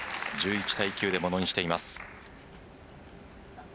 １１対９でものにしています。